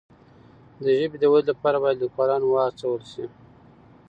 د ژبې د ودي لپاره باید لیکوالان وهڅول سي.